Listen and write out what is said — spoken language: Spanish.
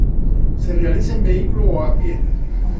Se realiza en vehículo, o a pie.